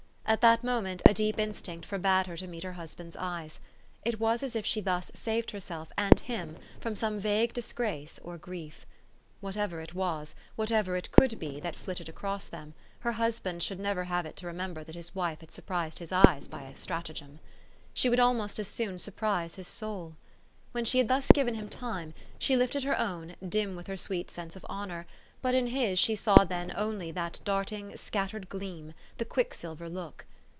At that moment a deep instinct forbade her to meet her husband's eyes. It was as if she thus saved herself and him from some vague disgrace or grief. Whatever it was, whatever it could be, that flitted across them, her husband should never have it to remember that his wife had surprised his eyes by a stratagem. She would almost as soon surprise his soul. When she had thus given him tune, she lifted her own, dim with her sweet sense of honor ; but in his she saw then only that darting, scattered gleam, the quicksilver look.